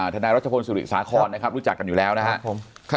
นายรัชพลสุริสาครนะครับรู้จักกันอยู่แล้วนะครับ